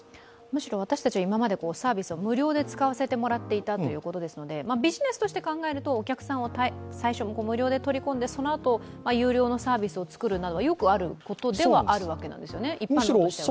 むしろ私たちは今までサービスを無料で使わせてもらっていたということですのでビジネスとして考えるとお客さんは最初無料で取り込んで、そのあと有料のサービスを作るなどはよくあることですよね、一般論として。